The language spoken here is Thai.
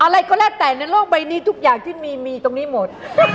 อะไรก็แล้วแต่ในโลกใบนี้ทุกอย่างที่มีมีตรงนี้หมด